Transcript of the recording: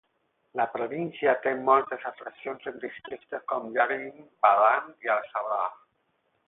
La província té moltes atraccions en districtes com Yareem, Ba'dan i Al-Sabrah.